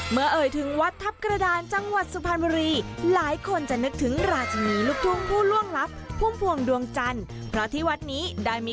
เมื่อเอ่ยถึงวัดทัพกระดานจังหวัดสุพรรณบรี